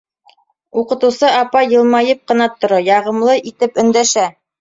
Уҡытыусы апай йылмайып ҡына тора, яғымлы итеп өндәшә.